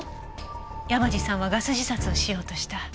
山路さんはガス自殺をしようとした。